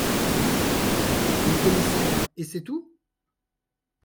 Le Commissaire Et c’est tout ?…